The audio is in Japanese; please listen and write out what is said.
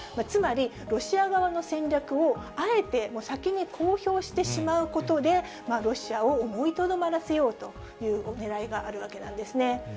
つまり、ロシア側の戦略をあえて先に公表してしまうことで、ロシアを思いとどまらせようというねらいがあるわけなんですね。